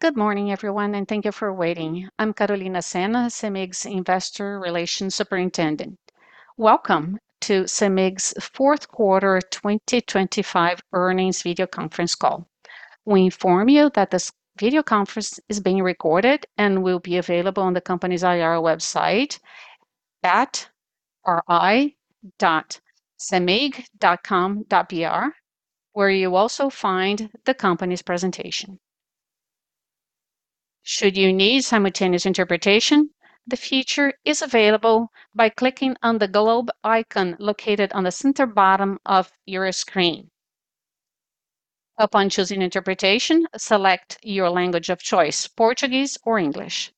Good morning everyone, and thank you for waiting. I'm Carolina Senna, Cemig's Investor Relations Superintendent. Welcome to Cemig's fourth quarter 2025 earnings video conference call. We inform you that this video conference is being recorded and will be available on the company's IR website at ri.cemig.com.br, where you'll also find the company's presentation. Should you need simultaneous interpretation, the feature is available by clicking on the globe icon located on the center bottom of your screen. Upon choosing interpretation, select your language of choice, Portuguese or English.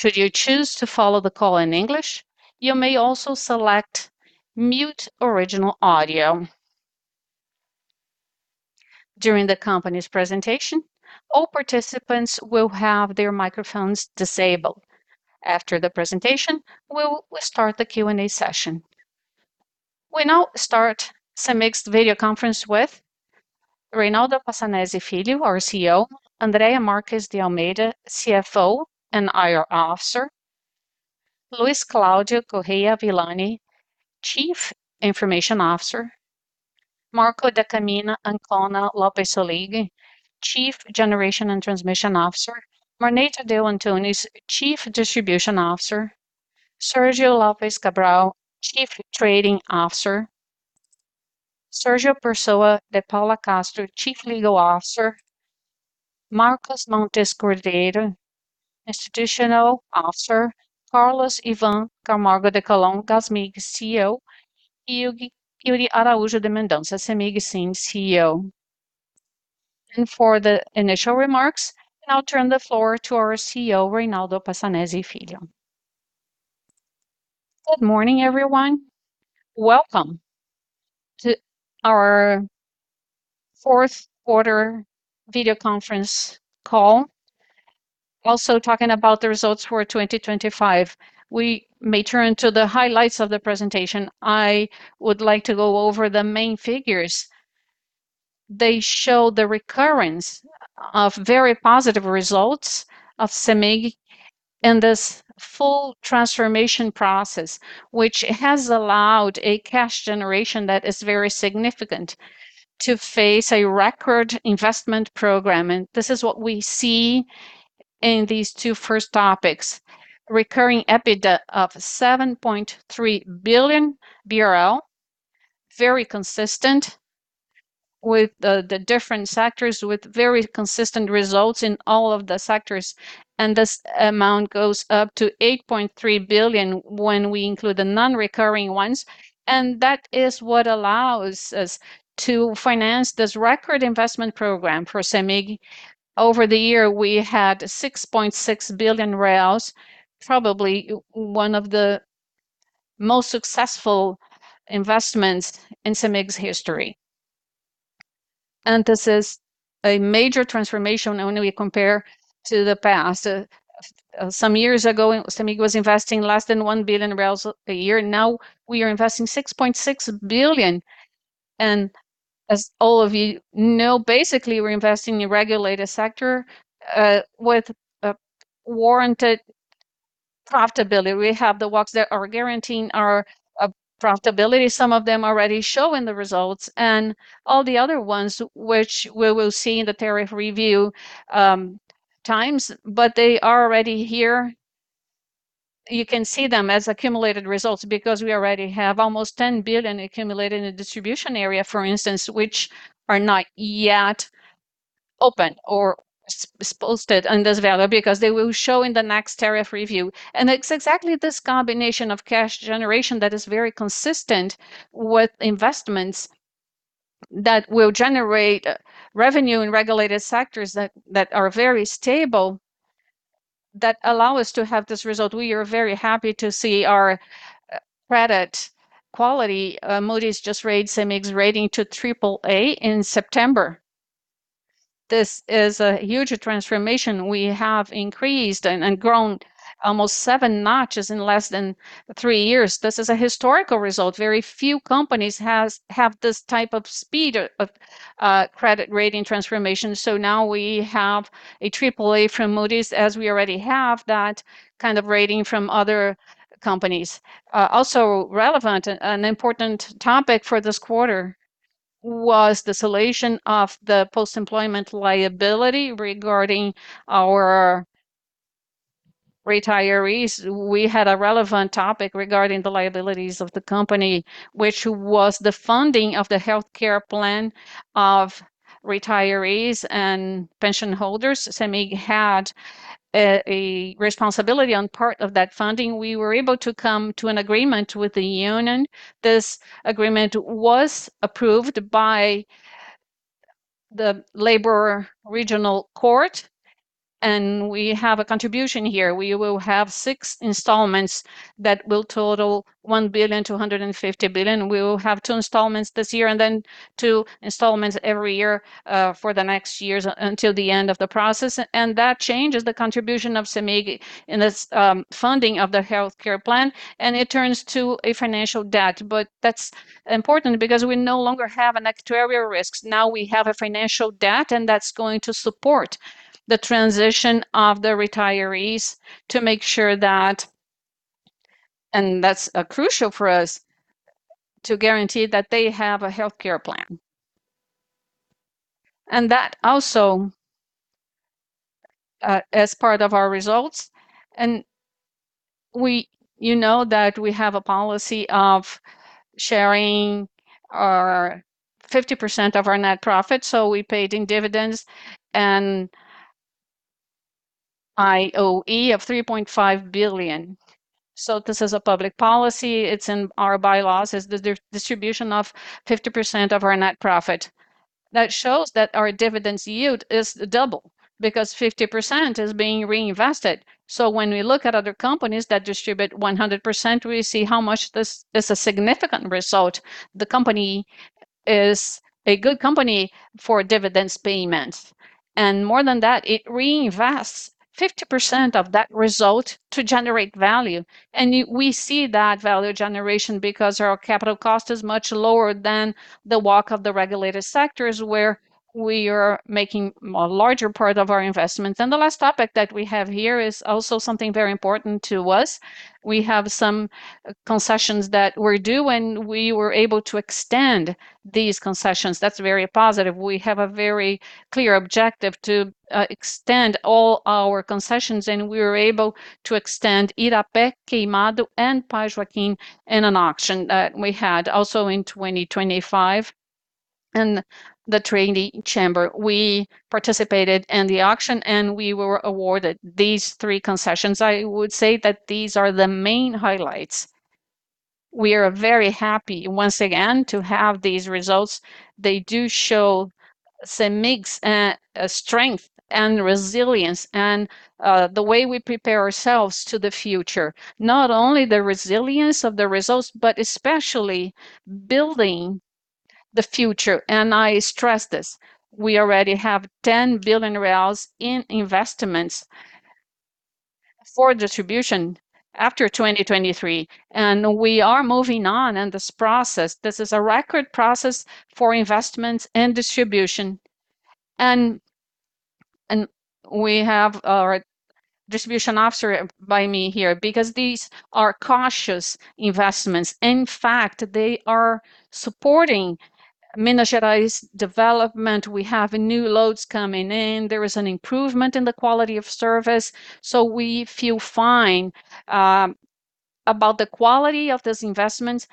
Should you choose to follow the call in English, you may also select Mute Original Audio. During the company's presentation, all participants will have their microphones disabled. After the presentation, we'll start the Q&A session. We now start Cemig's video conference with Reynaldo Passanezi Filho, our CEO, Andrea Marques de Almeida, CFO and IR officer, Luis Cláudio Correa Villani, Chief Information Officer, Marco da Camino Ancona Lopez Soligo, Chief Generation and Transmission Officer, Marney Tadeu Antunes, Chief Distribution Officer, Sergio Lopes Cabral, Chief Trading Officer, Sérgio Pessoa de Paula Castro, Chief Legal Officer, Marcos Montes Cordeiro, Institutional Officer, Carlos Camargo de Colón, Gasmig CEO, and Iuri Mendonça, Cemig SIM CEO. For the initial remarks, I'll turn the floor to our CEO, Reynaldo Passanezi Filho. Good morning everyone. Welcome to our fourth quarter video conference call. Also talking about the results for 2025. We may turn to the highlights of the presentation. I would like to go over the main figures. They show the recurrence of very positive results of Cemig in this full transformation process, which has allowed a cash generation that is very significant to face a record investment program. This is what we see in these two first topics. Recurring EBITDA of 7.3 billion BRL, very consistent with the different sectors, with very consistent results in all of the sectors. This amount goes up to 8.3 billion when we include the non-recurring ones. That is what allows us to finance this record investment program for Cemig. Over the year, we had 6.6 billion, probably one of the most successful investments in Cemig's history. This is a major transformation when we compare to the past. Some years ago, Cemig was investing less than 1 billion a year. Now we are investing 6.6 billion. As all of you know, basically we're investing in regulated sector with a warranted profitability. We have the works that are guaranteeing our profitability. Some of them already show in the results and all the other ones, which we will see in the tariff review times, but they are already here. You can see them as accumulated results because we already have almost 10 billion accumulated in the distribution area, for instance, which are not yet open or s-posted on this value because they will show in the next tariff review. It's exactly this combination of cash generation that is very consistent with investments that will generate revenue in regulated sectors that are very stable that allow us to have this result. We are very happy to see our credit quality. Moody's just raised Cemig's rating to triple A in September. This is a huge transformation. We have increased and grown almost 7 notches in less than 3 years. This is a historical result. Very few companies have this type of speed of credit rating transformation. Now we have a triple A from Moody's, as we already have that kind of rating from other companies. Also relevant, an important topic for this quarter was the solution of the post-employment liability regarding our retirees. We had a relevant topic regarding the liabilities of the company, which was the funding of the healthcare plan of retirees and pension holders. Cemig had a responsibility for part of that funding. We were able to come to an agreement with the union. This agreement was approved by the Regional Labor Court, and we have a contribution here. We will have 6 installments that will total 1.25 billion. We will have 2 installments this year and then 2 installments every year for the next years until the end of the process. That changes the contribution of Cemig in this funding of the healthcare plan, and it turns to a financial debt. That's important because we no longer have an actuarial risk. Now we have a financial debt, and that's going to support the transition of the retirees to make sure that. That's crucial for us to guarantee that they have a healthcare plan. That also, as part of our results. You know that we have a policy of sharing our 50% of our net profit, so we paid in dividends and JCP of 3.5 billion. This is a public policy. It's in our bylaws, the distribution of 50% of our net profit. That shows that our dividend yield is double because 50% is being reinvested. When we look at other companies that distribute 100%, we see how much this is a significant result. The company is a good company for dividend payments. More than that, it reinvests 50% of that result to generate value. We see that value generation because our capital cost is much lower than the WACC of the regulated sectors, where we are making a larger part of our investments. The last topic that we have here is also something very important to us. We have some concessions that were due, and we were able to extend these concessions. That's very positive. We have a very clear objective to extend all our concessions, and we were able to extend Irapé, Queimado, and Pai Joaquim in an auction that we had also in 2025. In the Trindade chamber, we participated in the auction, and we were awarded these three concessions. I would say that these are the main highlights. We are very happy once again to have these results. They do show Cemig's strength and resilience and the way we prepare ourselves to the future, not only the resilience of the results, but especially building the future. I stress this. We already have 10 billion reais in investments for distribution after 2023, and we are moving on in this process. This is a record process for investments and distribution. We have our distribution officer by me here because these are cautious investments. In fact, they are supporting Minas Gerais' development. We have new loads coming in. There is an improvement in the quality of service, so we feel fine about the quality of these investments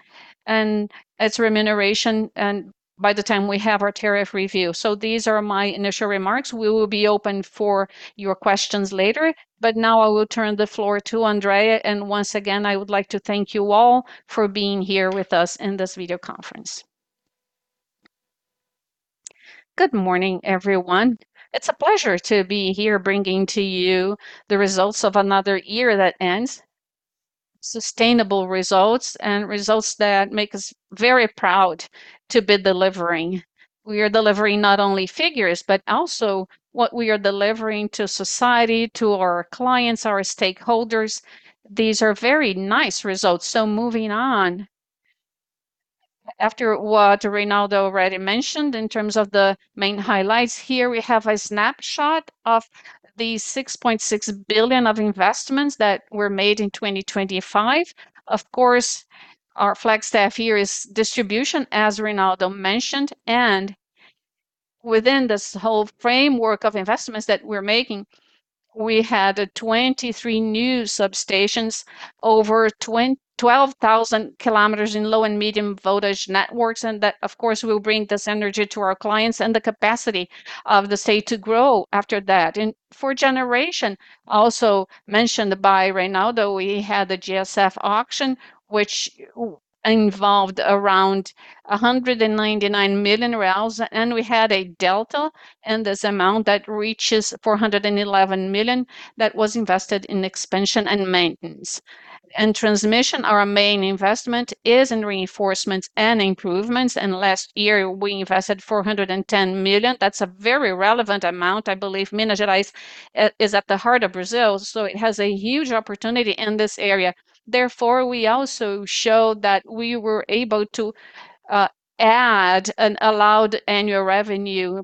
and its remuneration, and by the time we have our tariff review. These are my initial remarks. We will be open for your questions later. Now I will turn the floor to Andrea. Once again, I would like to thank you all for being here with us in this video conference. Good morning, everyone. It's a pleasure to be here bringing to you the results of another year that ends. Sustainable results and results that make us very proud to be delivering. We are delivering not only figures, but also what we are delivering to society, to our clients, our stakeholders. These are very nice results. Moving on. After what Ronaldo already mentioned in terms of the main highlights, here we have a snapshot of the 6.6 billion of investments that were made in 2025. Of course, our flagship here is distribution, as Ronaldo mentioned. Within this whole framework of investments that we're making, we had 23 new substations over 12,000 km in low and medium voltage networks, and that, of course, will bring this energy to our clients and the capacity of the state to grow after that. For generation, also mentioned by Ronaldo, we had the GSF auction, which involved around 199 million, and we had a delta in this amount that reaches 411 million that was invested in expansion and maintenance. In transmission, our main investment is in reinforcements and improvements, and last year we invested 410 million. That's a very relevant amount. I believe Minas Gerais is at the heart of Brazil, so it has a huge opportunity in this area. Therefore, we also show that we were able to add an allowed annual revenue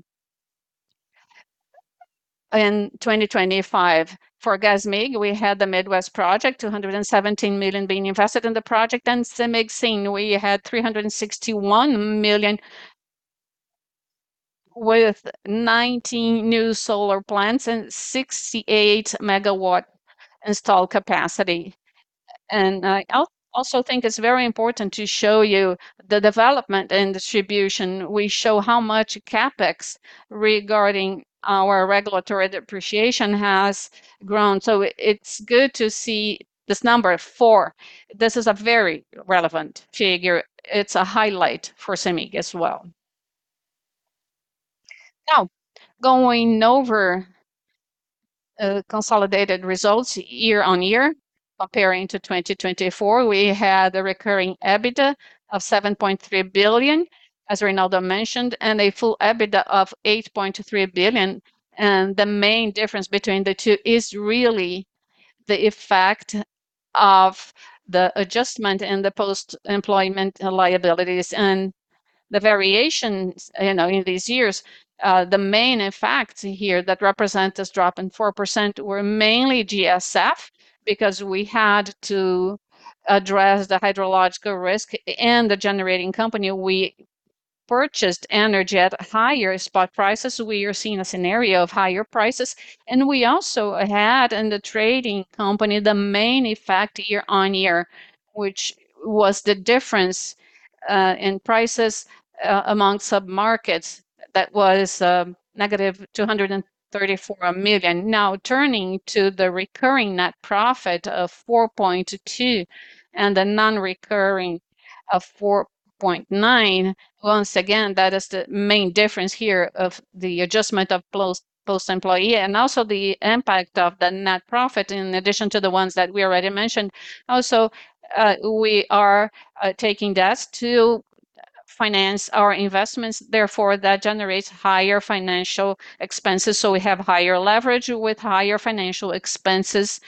in 2025. For Gasmig, we had the Centro-Oeste project, 217 million being invested in the project. Cemig SIM, we had 361 million with 19 new solar plants and 68 MW installed capacity. I also think it's very important to show you the development and distribution. We show how much CapEx regarding our regulatory depreciation has grown. It's good to see this number four. This is a very relevant figure. It's a highlight for Cemig as well. Now, going over consolidated results year-over-year, comparing to 2024, we had a recurring EBITDA of 7.3 billion, as Ronaldo mentioned, and a full EBITDA of 8.3 billion. The main difference between the two is really the effect of the adjustment in the post-employment liabilities. The variations in these years, the main effect here that represent this drop in 4% were mainly GSF, because we had to address the hydrological risk and the generating company. We purchased energy at higher spot prices. We are seeing a scenario of higher prices. We also had, in the trading company, the main effect year-over-year, which was the difference in prices among submarkets. That was - 234 million. Now, turning to the recurring net profit of 4.2 and the non-recurring of 4.9, once again, that is the main difference here of the adjustment of post-employment and also the impact of the net profit in addition to the ones that we already mentioned. Also, we are taking debts to finance our investments, therefore that generates higher financial expenses, so we have higher leverage with higher financial expenses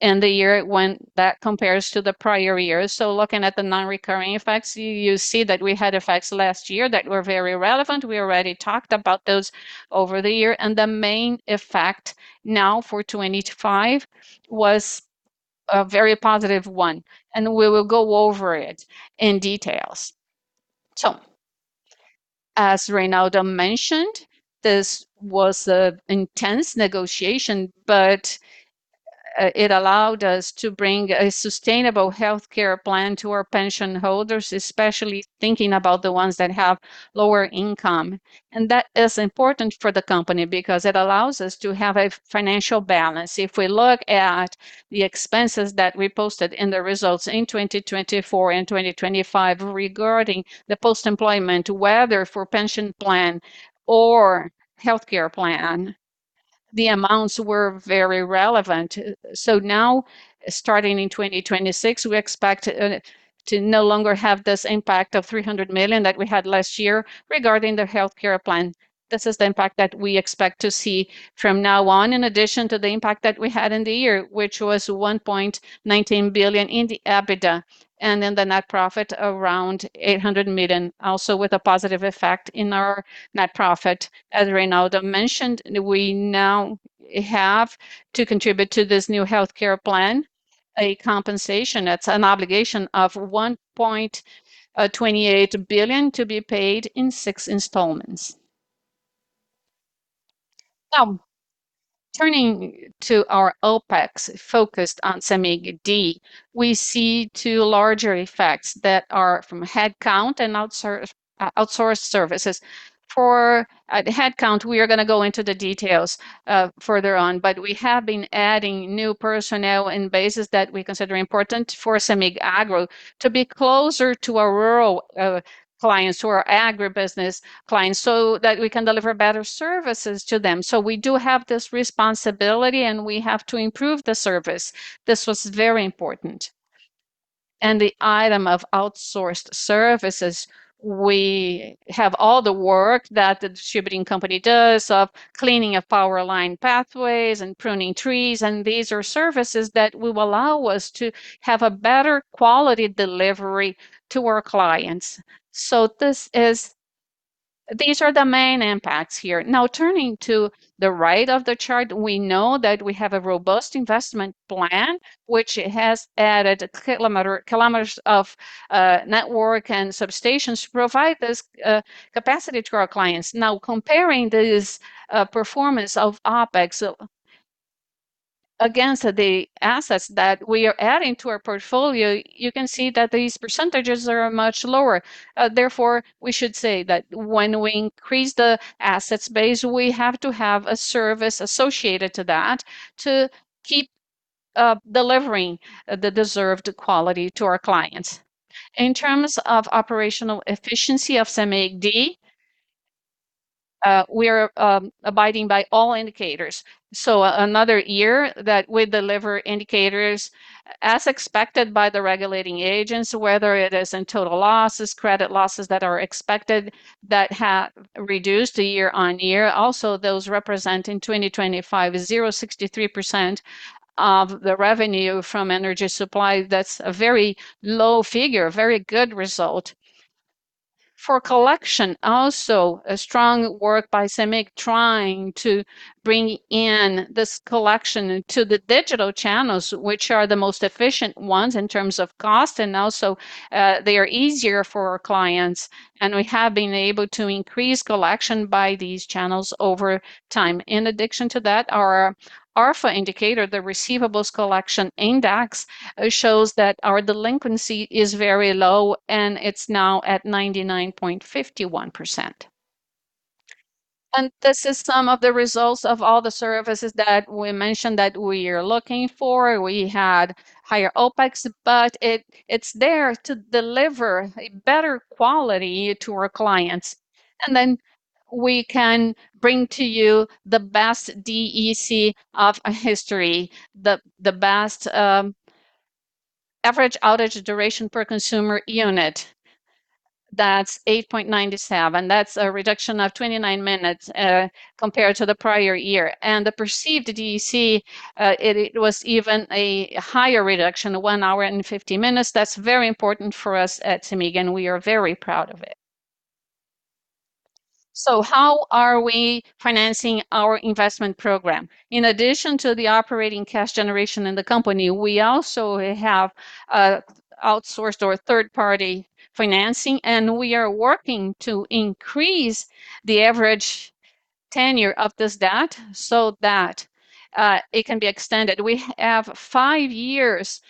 in the year when that compares to the prior years. Looking at the non-recurring effects, you see that we had effects last year that were very relevant. We already talked about those over the year. The main effect now for 2025 was a very positive one, and we will go over it in detail. As Reinaldo mentioned, this was an intense negotiation, but it allowed us to bring a sustainable healthcare plan to our pension holders, especially thinking about the ones that have lower income. That is important for the company because it allows us to have a financial balance. If we look at the expenses that we posted in the results in 2024 and 2025 regarding the post-employment, whether for pension plan or healthcare plan, the amounts were very relevant. Now, starting in 2026, we expect to no longer have this impact of 300 million that we had last year regarding the healthcare plan. This is the impact that we expect to see from now on, in addition to the impact that we had in the year, which was 1.19 billion in the EBITDA, and then the net profit around 800 million, also with a positive effect in our net profit. As Reynaldo mentioned, we now have to contribute to this new healthcare plan, a compensation. That's an obligation of 1.28 billion to be paid in six installments. Now, turning to our OpEx focused on Cemig D, we see two larger effects that are from headcount and outsourced services. For headcount, we are gonna go into the details further on, but we have been adding new personnel in bases that we consider important for Cemig Agro to be closer to our rural clients who are agribusiness clients, so that we can deliver better services to them. We do have this responsibility, and we have to improve the service. This was very important. The item of outsourced services, we have all the work that the distributing company does of cleaning of power line pathways and pruning trees, and these are services that will allow us to have a better quality delivery to our clients. This is. These are the main impacts here. Now, turning to the right of the chart, we know that we have a robust investment plan, which has added kilometers of network and substations to provide this capacity to our clients. Now, comparing this performance of OpEx against the assets that we are adding to our portfolio, you can see that these percentages are much lower. Therefore, we should say that when we increase the assets base, we have to have a service associated to that to keep delivering the deserved quality to our clients. In terms of operational efficiency of Cemig D, we are abiding by all indicators. Another year that we deliver indicators as expected by the regulatory agencies, whether it is in total losses, credit losses that are expected that have reduced year-on-year. Those represent, in 2025, 0.63% of the revenue from energy supply. That's a very low figure, very good result. For collection also, a strong work by Cemig trying to bring in this collection to the digital channels, which are the most efficient ones in terms of cost, and also, they are easier for our clients, and we have been able to increase collection by these channels over time. In addition to that, our ARFA indicator, the receivables collection index, shows that our delinquency is very low, and it's now at 99.51%. This is some of the results of all the services that we mentioned that we are looking for. We had higher OpEx, but it's there to deliver a better quality to our clients. We can bring to you the best DEC of history, the best average outage duration per consumer unit. That's 8.97. That's a reduction of 29 minutes compared to the prior year. The perceived DEC, it was even a higher reduction of 1 hour and 50 minutes. That's very important for us at Cemig, and we are very proud of it. How are we financing our investment program? In addition to the operating cash generation in the company, we also have outsourced or third-party financing, and we are working to increase the average tenure of this debt so that it can be extended. We have 5 years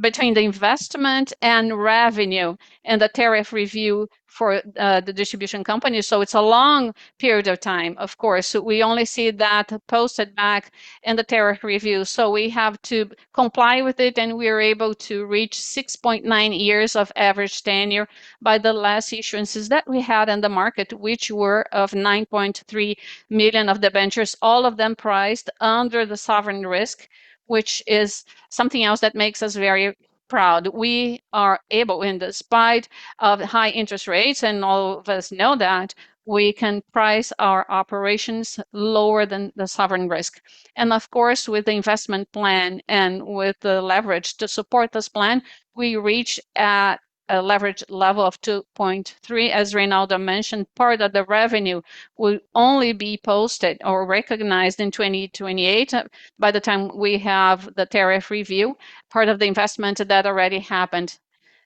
between the investment and revenue and the tariff review for the distribution company, so it's a long period of time, of course. We only see that posted back in the tariff review. We have to comply with it, and we are able to reach 6.9 years of average tenure by the last issues that we had in the market, which were of 9.3 million of debentures, all of them priced under the sovereign risk, which is something else that makes us very proud. We are able, in spite of high interest rates, and all of us know that, we can price our operations lower than the sovereign risk. Of course, with the investment plan and with the leverage to support this plan, we reach at a leverage level of 2.3. As Reynaldo mentioned, part of the revenue will only be posted or recognized in 2028 by the time we have the tariff review. Part of the investment of that already happened.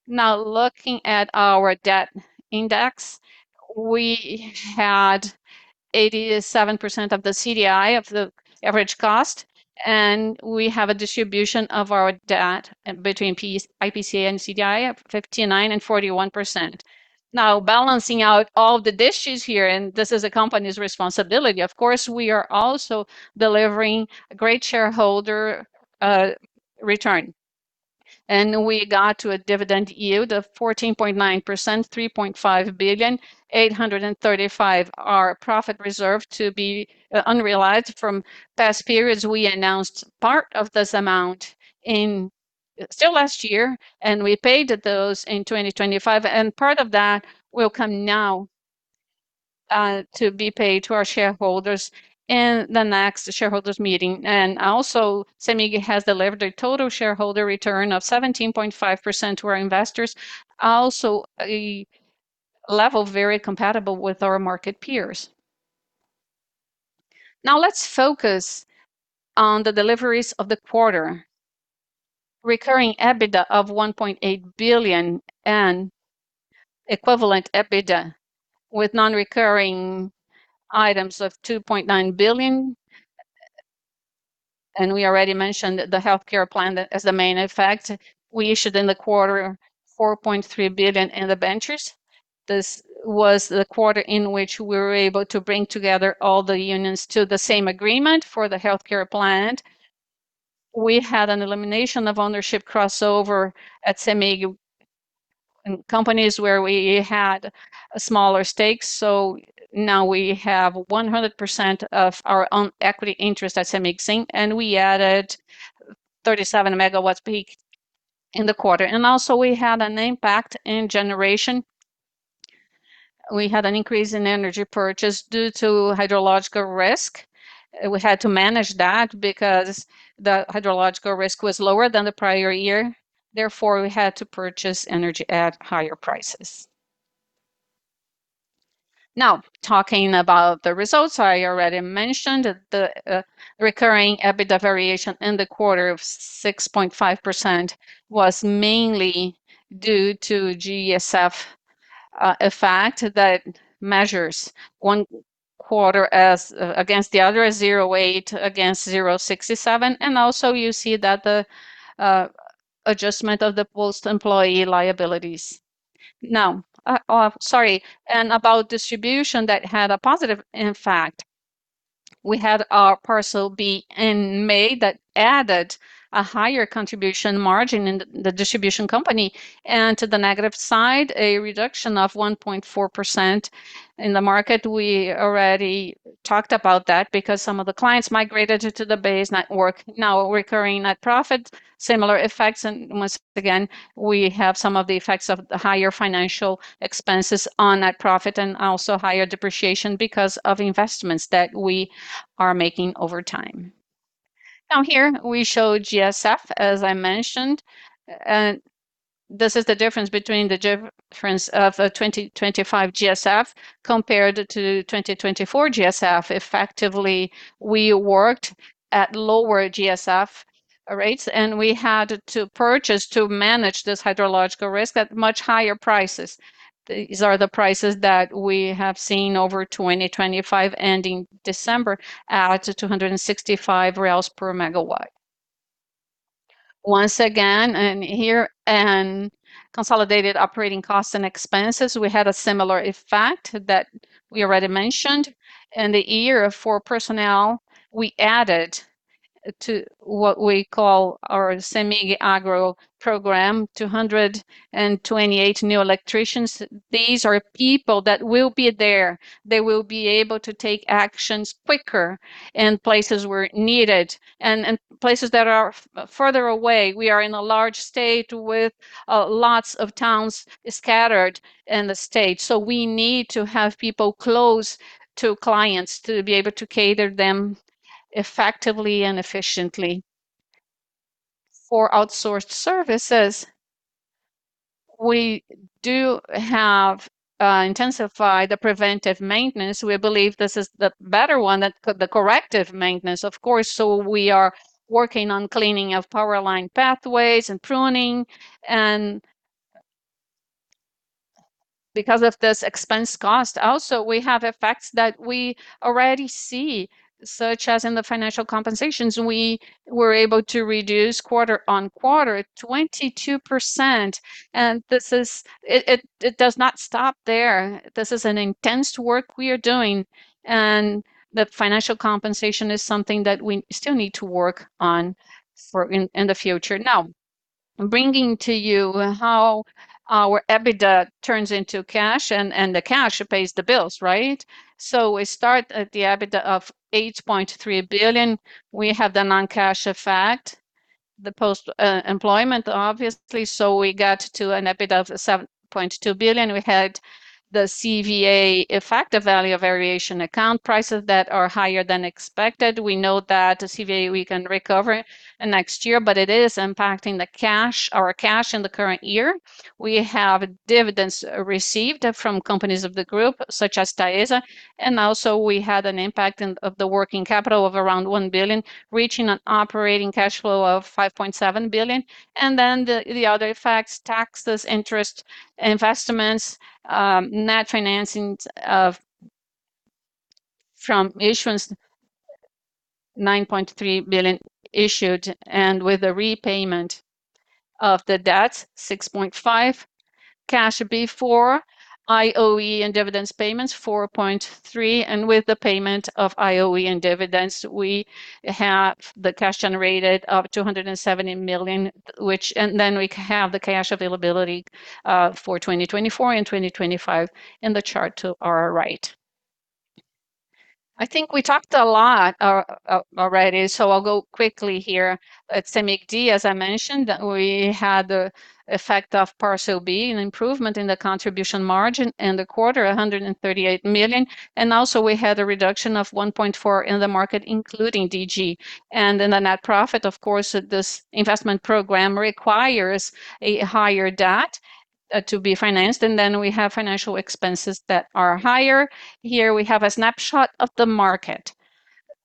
Now, looking at our debt index, we had 87% of the CDI of the average cost, and we have a distribution of our debt between IPCA and CDI of 59% and 41%. Now, balancing out all the issues here, and this is a company's responsibility, of course, we are also delivering great shareholder return. We got to a dividend yield of 14.9%, 3.5 billion, 835. Our profit reserve to be realized from past periods. We announced part of this amount still last year, and we paid those in 2025, and part of that will come now to be paid to our shareholders in the next shareholders meeting. Also, Cemig has delivered a total shareholder return of 17.5% to our investors. Also a level very compatible with our market peers. Now, let's focus on the deliveries of the quarter. Recurring EBITDA of 1.8 billion and equivalent EBITDA with non-recurring items of 2.9 billion. We already mentioned the healthcare plan as the main effect. We issued in the quarter 4.3 billion in debentures. This was the quarter in which we were able to bring together all the unions to the same agreement for the healthcare plan. We had an elimination of ownership crossover at Cemig in companies where we had smaller stakes, so now we have 100% of our own equity interest at Cemig SIM, and we added 37 MWp in the quarter. Also, we had an impact in generation. We had an increase in energy purchase due to hydrological risk. We had to manage that because the hydrological risk was lower than the prior year. Therefore, we had to purchase energy at higher prices. Now, talking about the results, I already mentioned the recurring EBITDA variation in the quarter of 6.5% was mainly due to GSF effect that measures one quarter against the other as 0.8 against 0.67. Also, you see that the adjustment of the post-employment liabilities. Sorry. About distribution that had a positive impact. We had our Parcel B in May that added a higher contribution margin in the distribution company. To the negative side, a reduction of 1.4% in the market. We already talked about that because some of the clients migrated to the base network. Now, recurring net profit, similar effects. Once again, we have some of the effects of higher financial expenses on net profit and also higher depreciation because of investments that we are making over time. Now, here we show GSF, as I mentioned, and this is the difference between 2025 GSF compared to 2024 GSF. Effectively, we worked at lower GSF rates, and we had to purchase to manage this hydrological risk at much higher prices. These are the prices that we have seen over 2025, ending December, at BRL 265 per MW. Once again, here in consolidated operating costs and expenses, we had a similar effect that we already mentioned. In the year for personnel, we added to what we call our Cemig Agro program, 228 new electricians. These are people that will be there. They will be able to take actions quicker in places where needed and places that are further away. We are in a large state with lots of towns scattered in the state, so we need to have people close to clients to be able to cater them effectively and efficiently. For outsourced services, we do have intensified the preventive maintenance. We believe this is better than the corrective maintenance, of course, so we are working on cleaning of power line pathways and pruning. Because of this expense cost also, we have effects that we already see, such as in the financial compensations. We were able to reduce quarter-on-quarter 22%, and this does not stop there. This is an intense work we are doing, and the financial compensation is something that we still need to work on in the future. Now, bringing to you how our EBITDA turns into cash and the cash pays the bills, right? We start at the EBITDA of 8.3 billion. We have the non-cash effect, the post-employment obviously. We got to an EBITDA of 7.2 billion. We had the CVA effect, the value of variation account, prices that are higher than expected. We know that the CVA we can recover next year, but it is impacting the cash, our cash in the current year. We have dividends received from companies of the group, such as Taesa, and also we had an impact of the working capital of around 1 billion, reaching an operating cash flow of 5.7 billion. The other effects, taxes, interest, investments, net financings from issuance 9.3 billion issued and with the repayment of the debt, 6.5 billion. Cash before IOE and dividends payments, 4.3 billion. With the payment of IOE and dividends, we have the cash generated of 270 million. We have the cash availability for 2024 and 2025 in the chart to our right. I think we talked a lot already, so I'll go quickly here. At Cemig D, as I mentioned, we had the effect of Parcel B, an improvement in the contribution margin in the quarter, 138 million. Also we had a reduction of 1.4% in the market, including DG. In the net profit, of course, this investment program requires a higher debt to be financed, and then we have financial expenses that are higher. Here we have a snapshot of the market.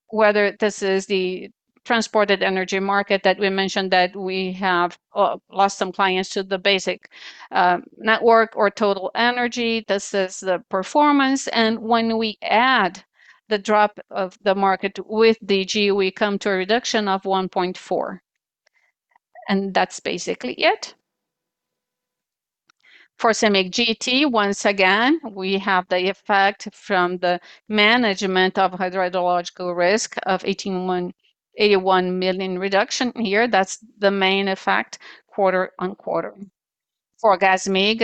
Whether this is the transported energy market that we mentioned that we have lost some clients to the basic network or total energy. This is the performance. When we add the drop of the market with DG, we come to a reduction of 1.4%. That's basically it. For Cemig GT, once again, we have the effect from the management of hydrological risk of 81 million reduction here. That's the main effect quarter-on-quarter. For Gasmig,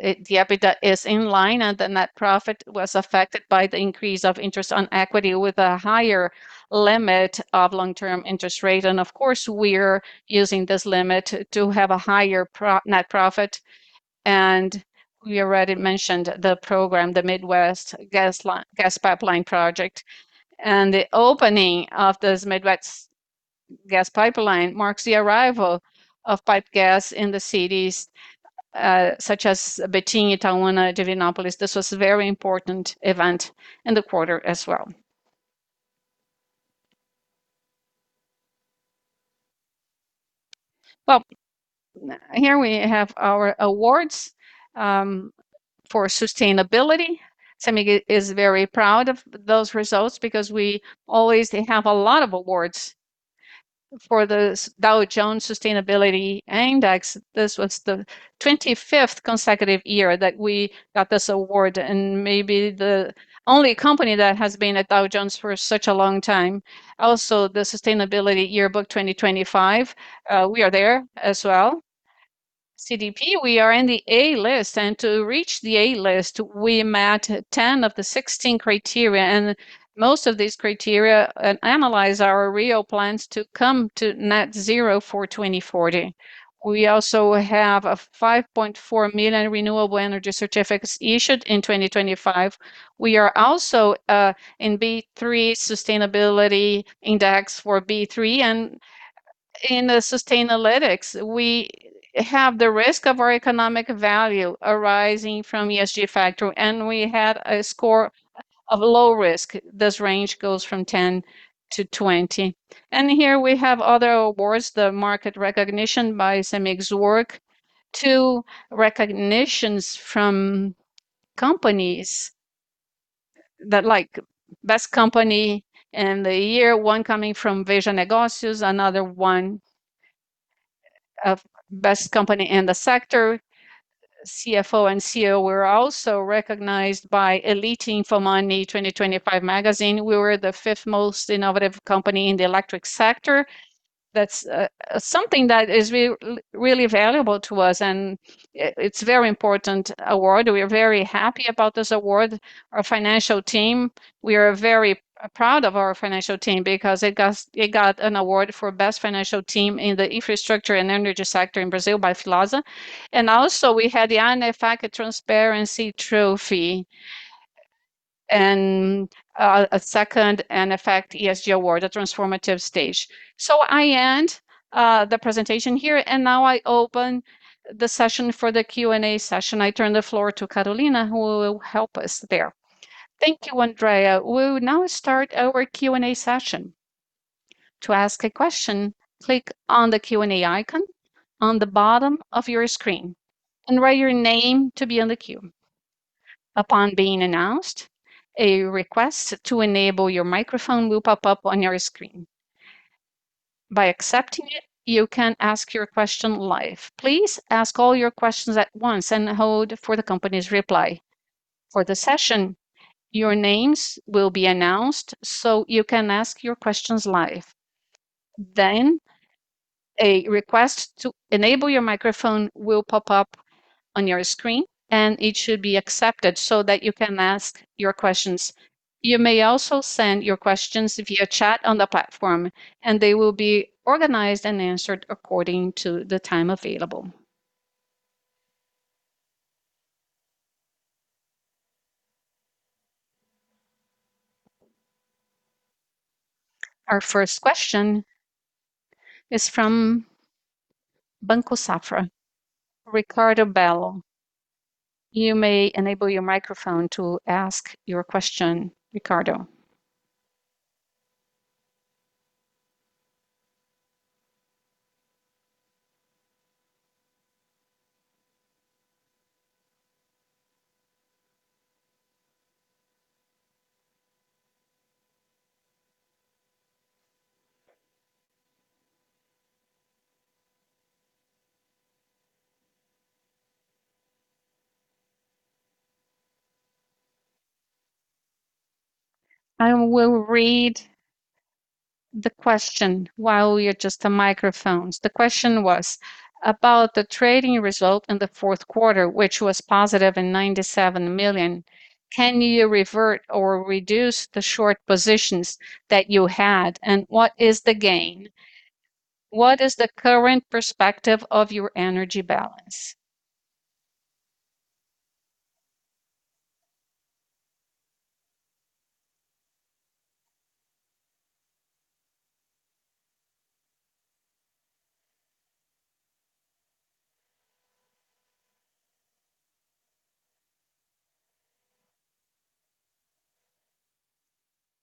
the EBITDA is in line, and the net profit was affected by the increase of interest on equity with a higher limit of long-term interest rate. Of course, we're using this limit to have a higher net profit. We already mentioned the program, the Midwest Gas Pipeline Project. The opening of this Midwest Gas Pipeline marks the arrival of piped gas in the cities, such as Betim, Itaúna, Divinópolis. This was a very important event in the quarter as well. Well, here we have our awards for sustainability. Cemig is very proud of those results because we always have a lot of awards. For the Dow Jones Sustainability Index, this was the 25th consecutive year that we got this award, and maybe the only company that has been at Dow Jones for such a long time. Also, the S&P Global Sustainability Yearbook 2025, we are there as well. CDP, we are in the A list. To reach the A list, we met 10 of the 16 criteria. Most of these criteria analyze our real plans to come to net zero for 2040. We also have 5.4 million renewable energy certificates issued in 2025. We are also in B3 Sustainability Index for B3. In Sustainalytics, we have the risk of our economic value arising from ESG factor, and we had a score of low risk. This range goes from 10 to 20. Here we have other awards, the market recognition by Cemig's work. Two recognitions from companies that like Best Company in the Year, one coming from Veja Negócios, another one of Best Company in the Sector. CFO and CEO were also recognized by Época Negócios 2025 magazine. We were the fifth most innovative company in the electric sector. That's something that is really valuable to us, and it's very important award. We are very happy about this award. Our financial team, we are very proud of our financial team because it got an award for Best Financial Team in the Infrastructure and Energy Sector in Brazil by Filosa. We had the ANEFAC Transparency Trophy and a second ANEFAC ESG Award, the transformative stage. I end the presentation here, and now I open the session for the Q&A session. I turn the floor to Carolina, who will help us there. Thank you, Andrea. We will now start our Q&A session. To ask a question, click on the Q&A icon on the bottom of your screen and write your name to be on the queue. Upon being announced, a request to enable your microphone will pop up on your screen. By accepting it, you can ask your question live. Please ask all your questions at once and hold for the company's reply. For the session, your names will be announced so you can ask your questions live. Then a request to enable your microphone will pop up on your screen, and it should be accepted so that you can ask your questions. You may also send your questions via chat on the platform, and they will be organized and answered according to the time available. Our first question is from Banco Safra. Ricardo Bello, you may enable your microphone to ask your question, Ricardo. I will read the question while you adjust the microphones. The question was about the trading result in the fourth quarter, which was positive in 97 million. Can you revert or reduce the short positions that you had, and what is the gain? What is the current perspective of your energy balance?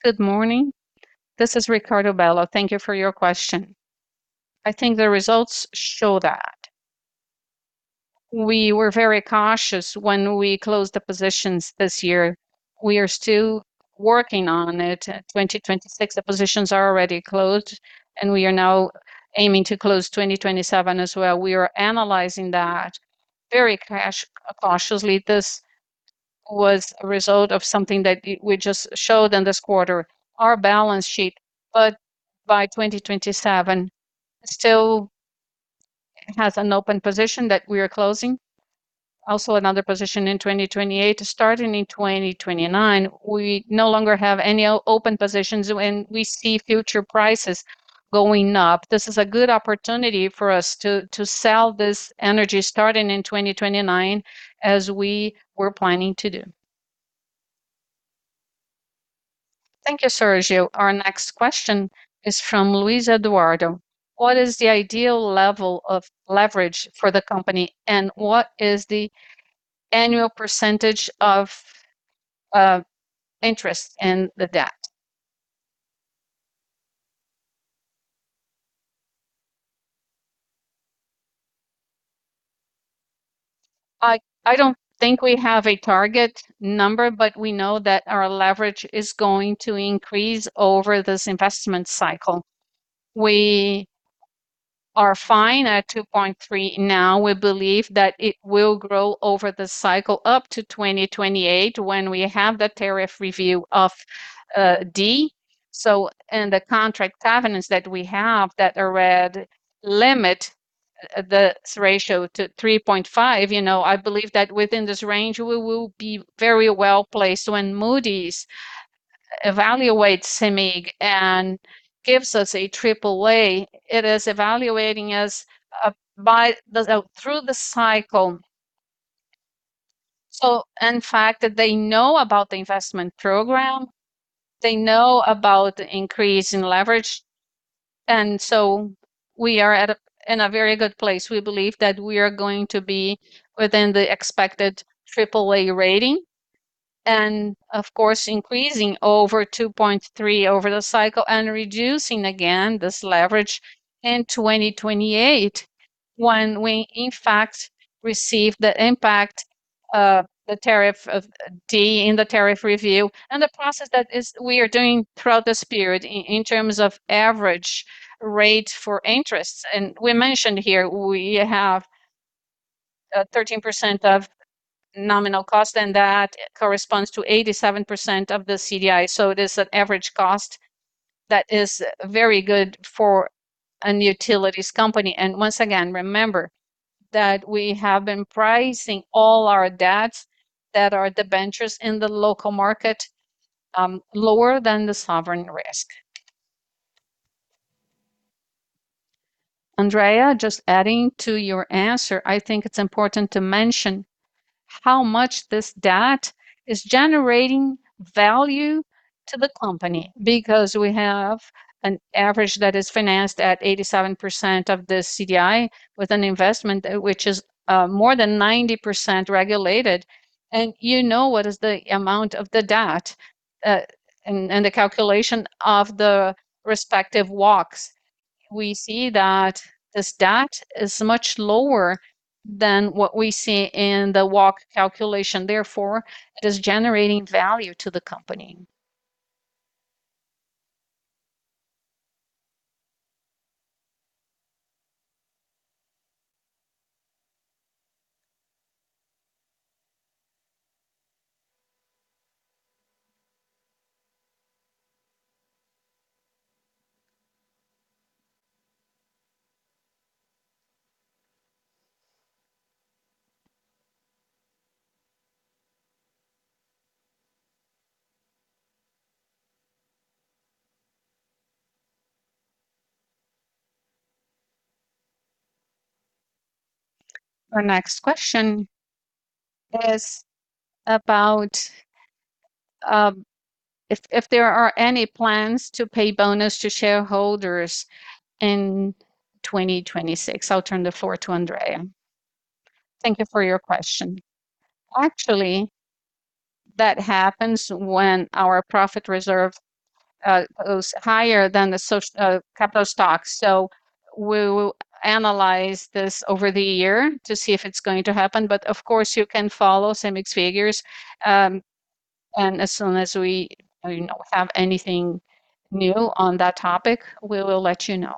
Good morning. This is Ricardo Bello. Thank you for your question. I think the results show that. We were very cautious when we closed the positions this year. We are still working on it. 2026, the positions are already closed, and we are now aiming to close 2027 as well. We are analyzing that very cautiously. This was a result of something that we just showed in this quarter, our balance sheet. By 2027, still has an open position that we are closing. Also another position in 2028. Starting in 2029, we no longer have any open positions, and we see future prices going up. This is a good opportunity for us to sell this energy starting in 2029, as we were planning to do. Thank you, Sergio. Our next question is from Luiz Eduardo. What is the ideal level of leverage for the company, and what is the annual percentage of interest in the debt? I don't think we have a target number, but we know that our leverage is going to increase over this investment cycle. We are fine at 2.3 now. We believe that it will grow over the cycle up to 2028 when we have the tariff review of D. The contract covenants that we have that read limit the s-ratio to 3.5. You know, I believe that within this range, we will be very well-placed when Moody's evaluates Cemig and gives us a Aaa. It is evaluating us through the cycle. In fact, that they know about the investment program, they know about the increase in leverage, and so we are in a very good place. We believe that we are going to be within the expected triple A rating and of course increasing over 2.3 over the cycle and reducing again this leverage in 2028 when we in fact receive the impact of the tariff of D in the tariff review and the process that we are doing throughout this period in terms of average interest rate. We mentioned here we have 13% of nominal cost, and that corresponds to 87% of the CDI. It is an average cost that is very good for a utilities company. Once again, remember that we have been pricing all our debts that are debentures in the local market lower than the sovereign risk. Andrea, just adding to your answer, I think it's important to mention how much this debt is generating value to the company because we have an average that is financed at 87% of the CDI with an investment which is more than 90% regulated, and you know what is the amount of the debt and the calculation of the respective WACCs. We see that this debt is much lower than what we see in the WACC calculation, therefore, it is generating value to the company. Our next question is about if there are any plans to pay bonus to shareholders in 2026. I'll turn the floor to Andrea. Thank you for your question. Actually, that happens when our profit reserve goes higher than the capital stock. We will analyze this over the year to see if it's going to happen. Of course, you can follow Cemig's figures, and as soon as we know we have anything new on that topic, we will let you know.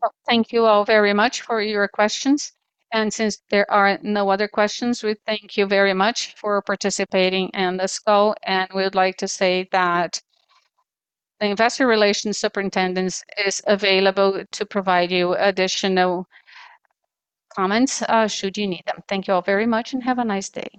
Well, thank you all very much for your questions. Since there are no other questions, we thank you very much for participating in this call. We would like to say that the investor relations superintendent is available to provide you additional comments, should you need them. Thank you all very much and have a nice day.